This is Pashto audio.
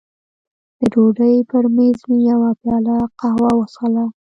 د ډوډۍ پر مېز مې یوه پیاله قهوه وڅښله.